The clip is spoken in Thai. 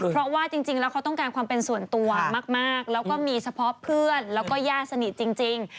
เพราะว่าจริงแล้วเขาต้องการความเป็นส่วนตัวมากแล้วก็มีเฉพาะเพื่อนแล้วก็ญาติสนิทจริง